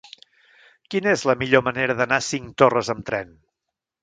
Quina és la millor manera d'anar a Cinctorres amb tren?